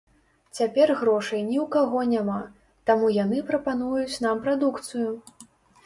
Цяпер грошай ні ў каго няма, таму яны прапануюць нам прадукцыю.